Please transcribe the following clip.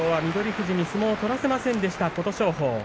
富士に相撲を取らせませんでした琴勝峰。